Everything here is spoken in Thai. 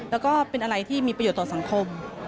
แล้วก็เป็นอะไรที่มีประโยชน์ต่อสังคม